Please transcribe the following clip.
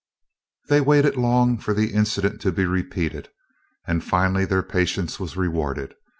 They waited long for the incident to be repeated, and finally their patience was rewarded.